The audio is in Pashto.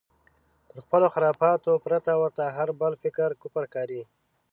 تر خپلو خرافاتو پرته ورته هر بل فکر کفر ښکاري.